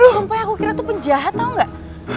sumpahnya aku kira itu penjahat tau gak